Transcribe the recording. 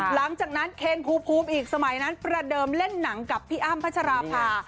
หลังจากนั้นเคนภูมิอีกสมัยนั้นประเดิมเล่นหนังกับพี่อ้ำพัชราภา